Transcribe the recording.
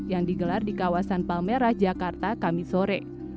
yang digelar di kawasan palmerah jakarta kami sore